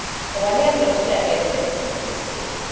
Oh. I :; ive no set antipathy to the city.